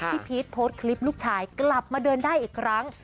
พีชโพสต์คลิปลูกชายกลับมาเดินได้อีกครั้ง